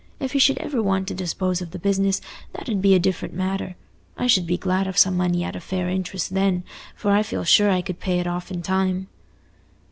If he should ever want to dispose of the business, that 'ud be a different matter. I should be glad of some money at a fair interest then, for I feel sure I could pay it off in time."